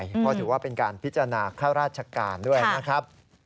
เพราะถือว่าเป็นการพิจารณาข้าราชการด้วยนะครับ